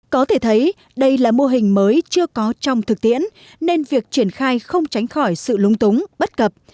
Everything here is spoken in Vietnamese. có thể thấy đây là mô hình mới chưa có trong thực tiễn nên việc triển khai không tránh khỏi sự lúng túng bất cập